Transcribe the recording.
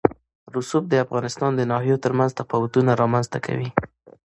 رسوب د افغانستان د ناحیو ترمنځ تفاوتونه رامنځ ته کوي.